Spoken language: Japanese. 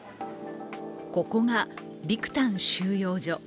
ここがビクタン収容所。